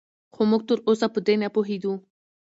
خو موږ تراوسه په دې نه پوهېدو